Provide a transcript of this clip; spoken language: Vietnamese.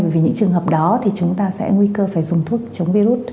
vì những trường hợp đó thì chúng ta sẽ nguy cơ phải dùng thuốc chống virus